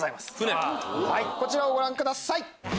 こちらをご覧ください。